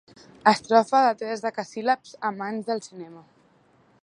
Estrofa de tres decasíl·labs amants del cinema.